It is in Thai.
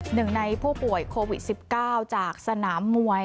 หนึ่งในผู้ป่วยโควิด๑๙จากสนามมวย